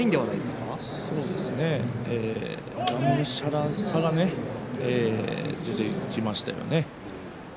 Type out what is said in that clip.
がむしゃらさが出てきましたよね。